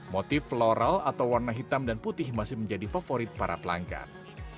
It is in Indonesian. motif floral atau warna hitam dan putih masih menjadi favorit para pelanggan